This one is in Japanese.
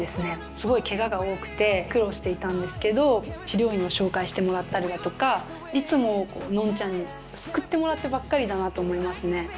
すごいケガが多くて苦労していたんですけど治療院を紹介してもらったりだとかいつものんちゃんに救ってもらってばっかりだなと思いますね。